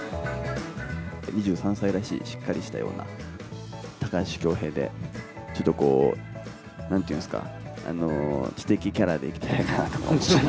２３歳らしい、しっかりしたような高橋恭平で、ちょっとこう、なんといいますか、知的キャラでいきたいかなと思ったり。